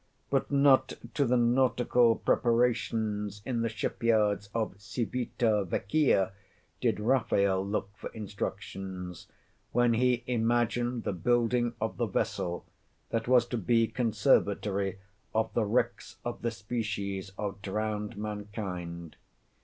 But not to the nautical preparations in the ship yards of Civita Vecchia did Raphael look for instructions, when he imagined the Building of the Vessel that was to be conservatory of the wrecks of the species of drowned mankind.